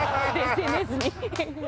ＳＮＳに。